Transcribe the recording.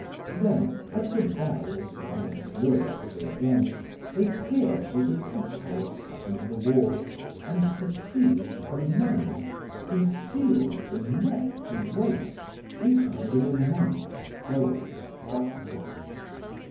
Then, as the bell was rung furiously again, they peered through the peep hole cut into the wall, and perceived a man, concealed, from neck to waist, behind an immense gold buckler.